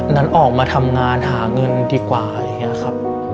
นั้นออกมาทำงานหาเงินดีกว่า